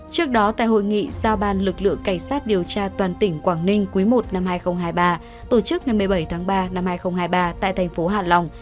trước đó tại hội nghị giao ban lực lượng cảnh sát điều tra toàn tỉnh quảng ninh quý i năm hai nghìn hai mươi ba tổ chức ngày một mươi bảy tháng ba năm hai nghìn hai mươi ba tại thành phố hạ long